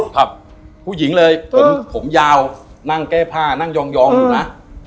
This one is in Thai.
ครับผู้หญิงเลยผมยาวนั่งแก้ผ้านั่งยองอยู่นะ